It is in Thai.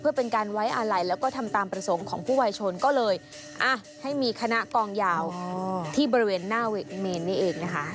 เพื่อเป็นการไว้อาลัยแล้วก็ทำตามประสงค์ของผู้วัยชนก็เลยอ่ะให้มีคณะกองยาวที่บริเวณหน้าเมนนี่เองนะคะ